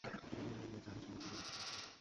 উপরমহলের মেজাজমর্জি বোঝার চেষ্টা করছি, বলতে পারেন।